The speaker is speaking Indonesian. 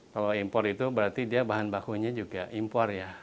kalau impor itu berarti dia bahan bakunya juga impor ya